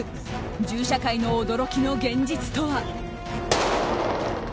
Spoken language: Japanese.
銃社会の驚きの現実とは？